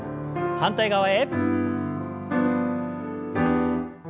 反対側へ。